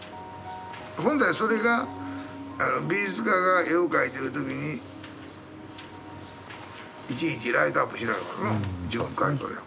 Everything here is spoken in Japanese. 本来それが美術家が絵を描いてる時にいちいちライトアップしないもんな。